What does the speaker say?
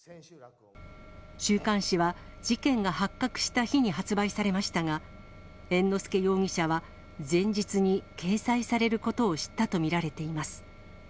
週刊誌は、事件が発覚した日に発売されましたが、猿之助容疑者は、前日に掲載されることを知ったと見られています。